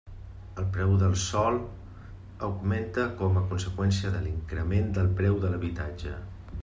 El preu del sòl augmenta com a conseqüència de l'increment del preu de l'habitatge.